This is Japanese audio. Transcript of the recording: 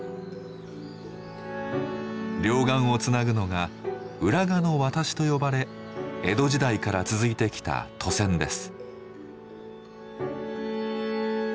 両岸をつなぐのが「浦賀の渡し」と呼ばれ江戸時代から続いてきた渡船です。